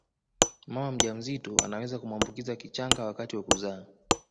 Mama mjamzito anaweza kumwambukiza kichanga wakati wa kuzaa